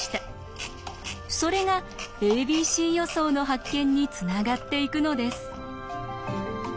それが「ａｂｃ予想」の発見につながっていくのです。